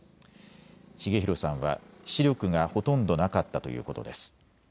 重弘さんは視力がほとんどなかったということです。